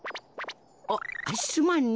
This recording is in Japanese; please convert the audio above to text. あっすまんね。